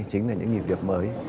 chính là những nhịp điệu mới